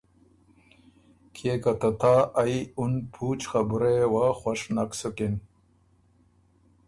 کيې که ته تا ائ اُن پُوچ خبُرئ یه وه خوش نک سُکِن۔